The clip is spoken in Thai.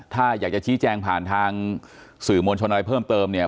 ถ้าอยากจะชี้แจงผ่านทางสื่อมวลชนอะไรเพิ่มเติมเนี่ย